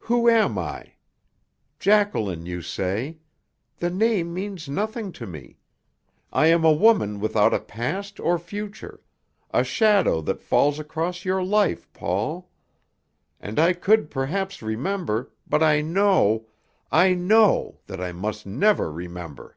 "Who am I? Jacqueline, you say. The name means nothing to me. I am a woman without a past or future, a shadow that falls across your life, Paul. And I could perhaps remember, but I know I know that I must never remember."